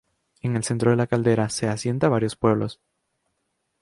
En el centro de la caldera, se asienta varios pueblos.